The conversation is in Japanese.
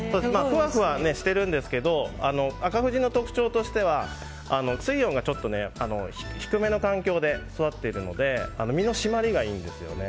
ふわふわしてるんですけど紅富士の特徴としては水温が低めの環境で育っているので身の締まりがいいんですよね。